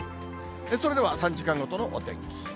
それでは３時間ごとのお天気。